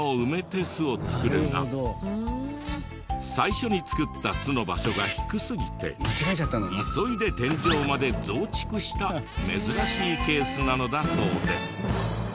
最初に作った巣の場所が低すぎて急いで天井まで増築した珍しいケースなのだそうです。